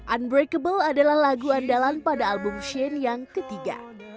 unbreakable adalah lagu andalan pada album shane yang ketiga